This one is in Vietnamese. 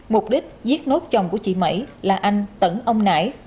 mục đích giết nốt chồng của chị mẩy là anh tẩn ông nải